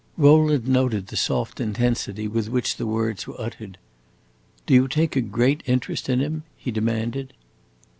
Rowland noted the soft intensity with which the words were uttered. "Do you take a great interest in him?" he demanded.